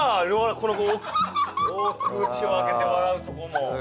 この大口をあけてわらうとこも。